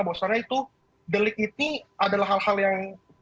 bahwa soalnya itu delik ini adalah hal hal yang